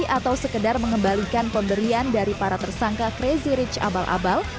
atau sekedar mengembalikan pemberian dari para tersangka crazy rich abal abal